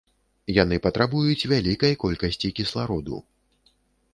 Яны патрабуюць вялікай колькасці кіслароду.